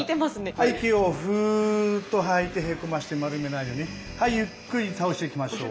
はい息をふっと吐いてへこまして丸めないようにゆっくり倒していきましょう。